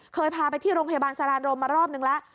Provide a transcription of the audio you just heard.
เคยพาไปที่โรงพยาบาลสารานรมมารอบนึงแล้ว